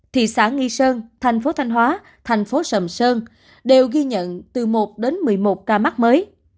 thị xã nghi sơn thành phố thanh hóa thành phố sầm sơn đều ghi nhận từ một đến một mươi một ca mắc mới